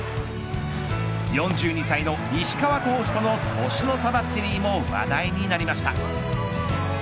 ４２歳の石川投手との年の差バッテリーも話題になりました。